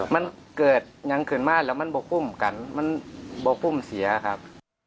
มันเกิดอย่างขึ้นมาแล้วมันบอกปุ้มกันมันบอกปุ่มเสียครับ